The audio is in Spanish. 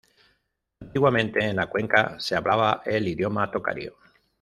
Antiguamente en la cuenca se hablaba el idioma tocario.